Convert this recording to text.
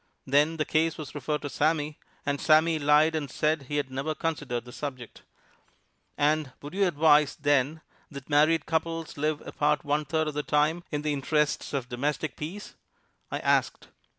Then the case was referred to Sammy, and Sammy lied and said he had never considered the subject. "And would you advise, then, that married couples live apart one third of the time, in the interests of domestic peace?" I asked.